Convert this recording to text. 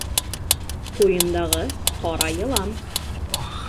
Ҡуйындағы ҡара йылан.